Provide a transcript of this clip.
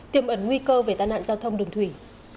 tiêm ẩn nguy cơ về tai nạn giao thông đường thủy